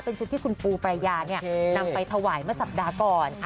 เป็นชุดที่คุณปูปรายานำไปถวายเมื่อสัปดาห์ก่อน